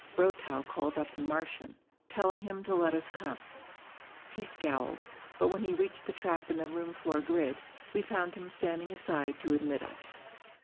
Brotow called up in Martian, telling him to let us come. He scowled, but when we reached the trap in the room floor grid, we found him standing aside to admit us.